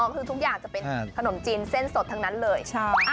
คือทุกอย่างจะเป็นขนมจีนเส้นสดทั้งนั้นเลย